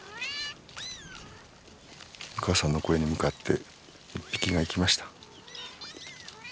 お母さんの声に向かって１匹が行きました。